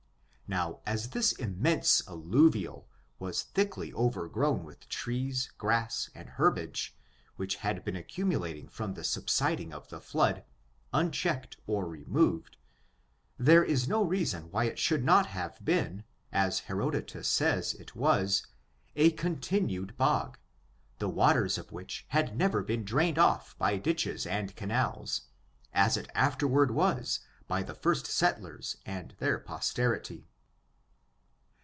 Now, as this immense alluvial was thickly overgrown with trees, grass and berb^e, which had been accumulating from the subsiding of the flood, unchecked or removed, there is no reason why it should not have been, a$ Herodotus says it was, a continued bog, the waters of which had never been drained ofi* by ditches and canals, as it after ward was by the first settlers and their posterity.